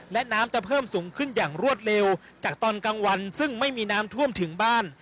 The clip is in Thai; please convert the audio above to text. และน้ำจะเพิ่มสูงขึ้นอย่างรวดเร็วจากตอนกลางวันซึ่งไม่มีน้ำท่วมถึงบ้าน